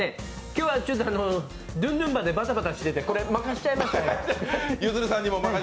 今日はちょっとドゥンドゥンバでバタバタしててこれ、任しちゃいました。